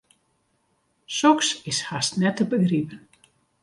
Soks is hast net te begripen.